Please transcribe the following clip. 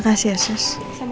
makasih bu makasih anja